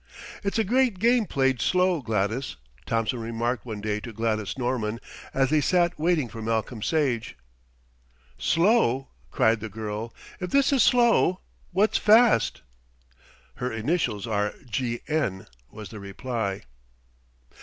"It's a great game played slow, Gladys," Thompson remarked one day to Gladys Norman as they sat waiting for Malcolm Sage. "Slow," cried the girl. "If this is slow, what's fast?" "Her initials are G. N.," was the reply.